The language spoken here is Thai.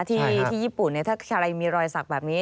ที่ญี่ปุ่นถ้าใครมีรอยสักแบบนี้